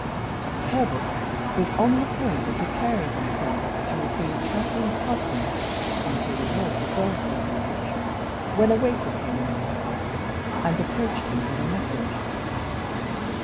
Herbert was on the point of declaring himself to have been Catherine's husband, until the law dissolved their marriage when a waiter came in and approached him with a message.